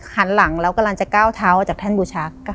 หันหลังแล้วกำลังจะก้าวเท้าออกจากแท่นบูชา